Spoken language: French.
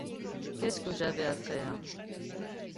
Qu’est-ce que j’avais à faire?